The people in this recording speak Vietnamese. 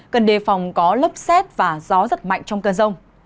cần đề phòng có lấp xét và gió rất mạnh trong cơn rông